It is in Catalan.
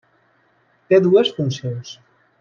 Té dues funcions.